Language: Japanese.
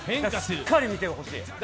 しっかり見てほしい。